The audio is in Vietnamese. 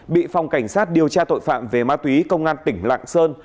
bị phòng cảnh sát điều tra tội phạm về ma túy công an tỉnh lạng sơn